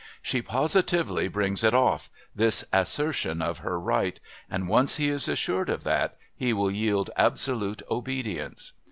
She positively "brings it off," this assertion of her right, and once he is assured of that, he will yield absolute obedience.